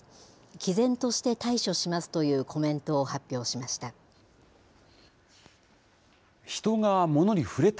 きぜんとして対処しますというコメントを発表しました。